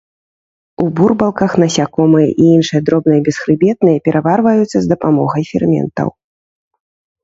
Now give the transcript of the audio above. У бурбалках насякомыя і іншыя дробныя бесхрыбетныя пераварваюцца з дапамогай ферментаў.